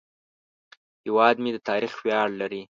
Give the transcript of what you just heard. هیواد مې د تاریخ ویاړ لري